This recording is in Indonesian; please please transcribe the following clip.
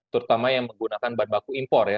terutama yang menggunakan bahan baku impor ya